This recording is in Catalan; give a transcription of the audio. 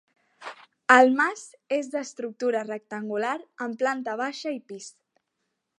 El mas és d'estructura rectangular amb planta baixa i pis.